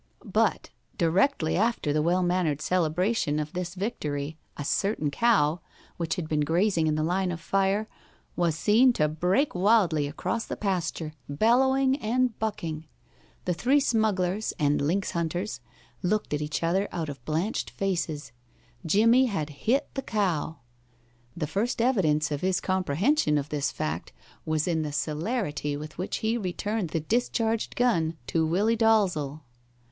But directly after the well mannered celebration of this victory a certain cow, which had been grazing in the line of fire, was seen to break wildly across the pasture, bellowing and bucking. The three smugglers and lynx hunters looked at each other out of blanched faces. Jimmie had hit the cow. The first evidence of his comprehension of this fact was in the celerity with which he returned the discharged gun to Willie Dalzel.